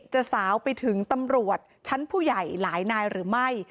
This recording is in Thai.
สาวไปถึงตำรวจชั้นผู้ใหญ่หลายนายหรือไม่